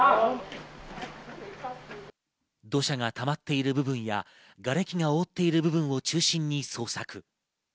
土砂がたまっている部分や、がれきが覆っている部分を中心に捜索。